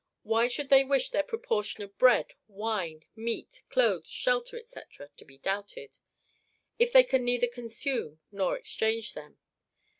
Why should they wish their proportion of bread, wine, meat, clothes, shelter, &c., to be doubled, if they can neither consume nor exchange them?